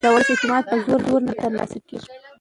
د ولس اعتماد په زور نه ترلاسه کېږي